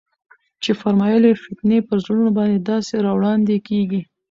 چي فرمايل ئې: فتنې پر زړونو باندي داسي راوړاندي كېږي